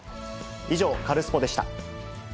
以上、カルスポっ！でした。